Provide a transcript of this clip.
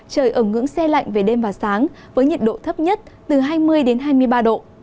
trời ở ngưỡng xe lạnh về đêm và sáng với nhiệt độ thấp nhất từ hai mươi hai mươi ba độ